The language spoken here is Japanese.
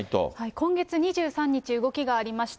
今月２３日、動きがありました。